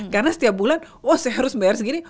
karena setiap bulan wah saya harus bayar segini